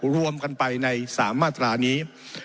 รวมกันไปใน๓มาตรานี้